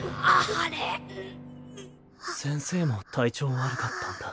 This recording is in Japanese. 先生も体調悪かったんだ。